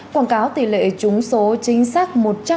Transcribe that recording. quảng cáo tỷ lệ chúng số chính xác một trăm linh